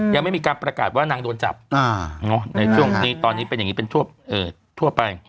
ยังไม่มีการประกาศว่านางโดนจับในช่วงนี้ตอนนี้เป็นอย่างนี้เป็นทั่วไป